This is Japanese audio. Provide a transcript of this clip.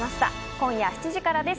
今夜７時からです。